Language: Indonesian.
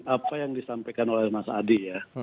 apa yang disampaikan oleh mas adi ya